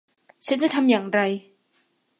ฉันจะทำอย่างไร